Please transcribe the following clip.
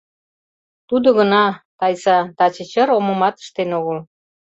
Тудо гына, Тайса, таче чыр омымат ыштен огыл.